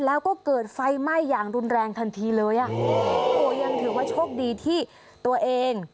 แล้วก็เกิดไฟไหม้อย่างรุนแรงทันทีเลยอ่ะโอ้โหยังถือว่าโชคดีที่ตัวเอง